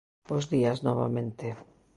Bos días novamente.